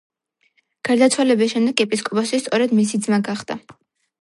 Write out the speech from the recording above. გარდაცვალების შემდეგ ეპისკოპოსი სწორედ მისი ძმა გახდა.